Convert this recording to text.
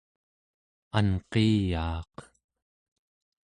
anqiiyaaq